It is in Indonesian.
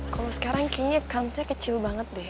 kalau sekarang kayaknya kansnya kecil banget deh